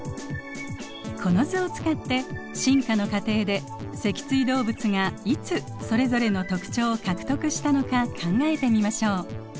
この図を使って進化の過程で脊椎動物がいつそれぞれの特徴を獲得したのか考えてみましょう。